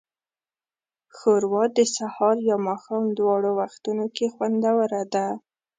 ښوروا د سهار یا ماښام دواړو وختونو کې خوندوره ده.